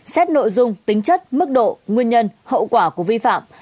xét nội dung tính chất mức độ nguyên nhân hậu quả của vi phạm